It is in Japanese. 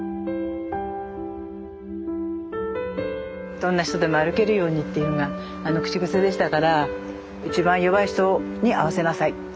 どんな人でも歩けるようにっていうのが口癖でしたから一番弱い人に合わせなさい。